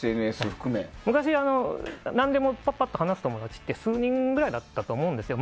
昔、何でも話す友達って数人ぐらいだったと思うんですよ